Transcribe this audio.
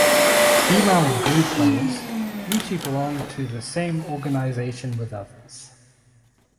Female Go players usually belong to the same organization with others.